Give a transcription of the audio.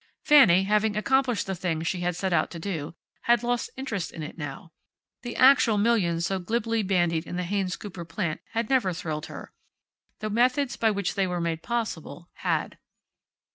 Fanny, having accomplished the thing she had set out to do, had lost interest in it now. The actual millions so glibly bandied in the Haynes Cooper plant had never thrilled her. The methods by which they were made possible had.